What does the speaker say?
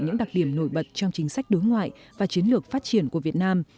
những đặc điểm nổi bật trong chính sách đối ngoại và chiến lược phát triển của việt nam